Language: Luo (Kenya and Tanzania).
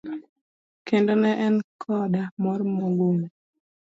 Kendo ne en koda mor mogundho.